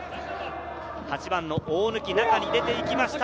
８番の大貫、中に入れていきました。